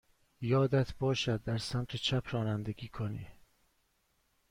یادت باشد در سمت چپ رانندگی کنی.